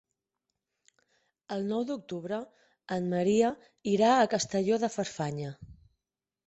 El nou d'octubre en Maria irà a Castelló de Farfanya.